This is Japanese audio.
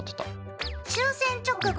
終戦直後